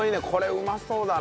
うまそう。